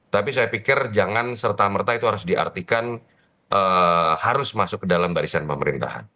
tapi saya pikir jangan serta merta itu harus diartikan harus masuk ke dalam barisan pemerintahan